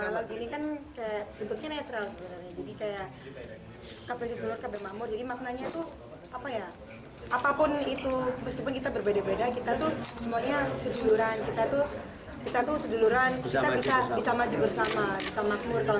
kita berbeda beda kita tuh semuanya seduluran kita tuh seduluran kita bisa maju bersama bisa makmur kalau nama kita bersama